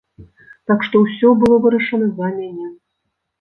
Так што ўсё было вырашана за мяне.